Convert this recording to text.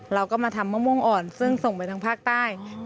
เราก็มาทำมะม่วงอ่อนซึ่งส่งไปทางภาคใต้